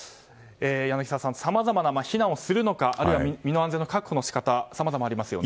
柳澤さん、避難をするのかあるいは身の安全の確保の仕方さまざまありますよね。